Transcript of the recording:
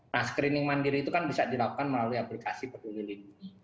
nah screening mandiri itu kan bisa dilakukan melalui aplikasi peduli lindungi